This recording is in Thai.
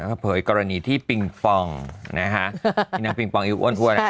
ก็เผยกรณีที่ปิงปองนะฮะที่นางปิงปองอีกอ้วนอัน